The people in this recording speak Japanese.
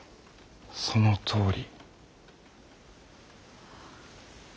そのとおり。